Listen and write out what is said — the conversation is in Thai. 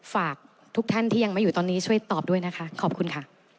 ฝากทุกท่านที่ยังไม่อยู่ตอนนี้ช่วยตอบด้วยนะคะขอบคุณค่ะ